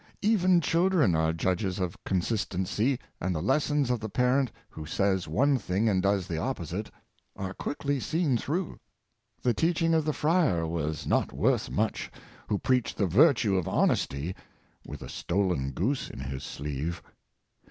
Even children are judges of consistency, and the lessons of the parent who says one thing and does the opposite, are quickly seen through. The teaching of the friar was not worth much who preached the virtue of hon esty with a stolen goose in his sleeve.